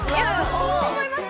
そう思います